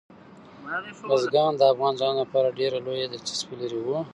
بزګان د افغان ځوانانو لپاره ډېره لویه دلچسپي لري.